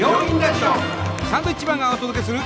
サンドウィッチマンがお届けする。